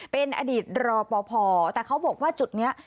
เป็นอดีตรอปภแต่เขาบอกว่าจุดนี้